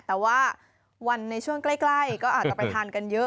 แต่ว่าวันในช่วงใกล้ก็อาจจะไปทานกันเยอะ